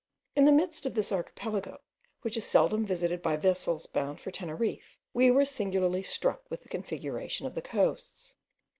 In the midst of this archipelago, which is seldom visited by vessels bound for Teneriffe, we were singularly struck with the configuration of the coasts.